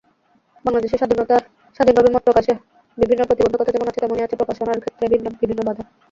বাংলাদেশে স্বাধীনভাবে মতপ্রকাশে বিভিন্ন প্রতিবন্ধকতা যেমন আছে, তেমনি আছে প্রকাশনার ক্ষেত্রে বিভিন্ন বাধা।